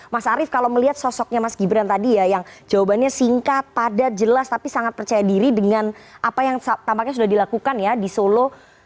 mas arief kalau melihat sosoknya mas gibran tadi ya yang jawabannya singkat padat jelas tapi sangat percaya diri dengan apa yang tampaknya sudah dilakukan ya di solo